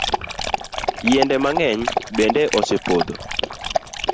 Yiende mang'eny bende osepodho.